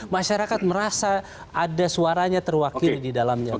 masyarakat merasa ada suaranya terwakili di dalamnya